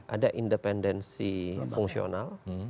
ada independensi fungsional